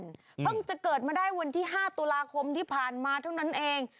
เพิ่งจะเกิดมาได้วันที่๕ตุลาคมที่ผ่านมาเท่านั้นเอง